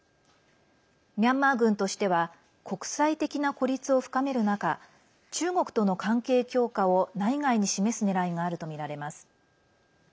ミャンマー軍としては国際的な孤立を深める中中国との関係強化を内外に示すねらいがあるとみられます。